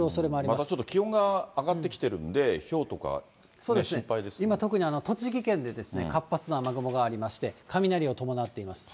またちょっと気温が上がってきてるんで、ひょうとか心配ですそうです、今、栃木県で活発な雨雲がありまして、雷を伴っています。